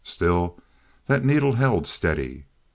Still, that needle held steady.